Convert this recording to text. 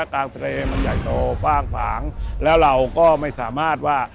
กลางทะเลมันใหญ่โตฟ่างฝางแล้วเราก็ไม่สามารถว่า